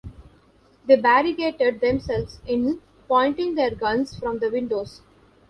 They barricaded themselves in, pointing their guns from the windows.